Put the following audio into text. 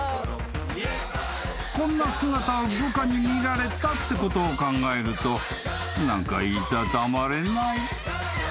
［こんな姿を部下に見られたってことを考えると何か居たたまれない］